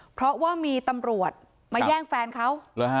เพราะว่ามีตำรวจมาแย่งแฟนเขา